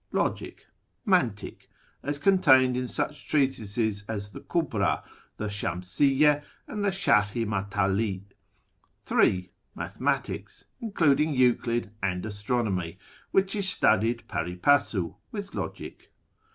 Logic (Alantik), as contained in such treatises as the Kuhrd, the Shamsiyye, and the Sharh i MatdlC III. Mathematics (including Euclid and Astronomy), which is studied 2Mri passu with Logic.